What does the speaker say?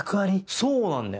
そうなんだよ！